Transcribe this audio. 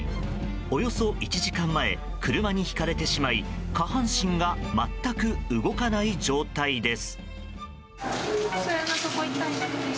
およそ１時間前車にひかれてしまい下半身が全く動かない状態です。